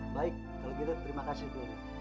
baik kalau gitu terima kasih dulu